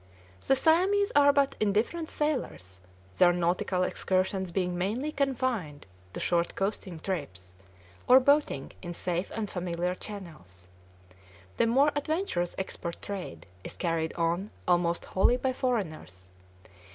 The Siamese are but indifferent sailors, their nautical excursions being mainly confined to short coasting trips, or boating in safe and familiar channels. The more adventurous export trade is carried on almost wholly by foreigners.